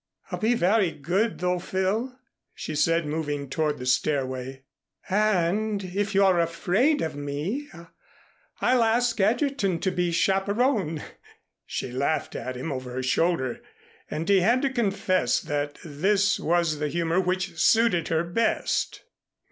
"I'll be very good though, Phil," she said, moving toward the stairway, "and if you're afraid of me, I'll ask Egerton to be chaperon." She laughed at him over her shoulder, and he had to confess that this was the humor which suited her best.